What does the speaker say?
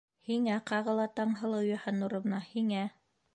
Һиңә ҡағыла, Таңһылыу Йыһаннуровна, һиңә!